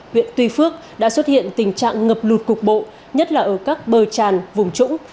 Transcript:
huyện tuy phước đã xuất hiện tình trạng ngập lụt cục bộ nhất là ở các bờ tràn vùng trũng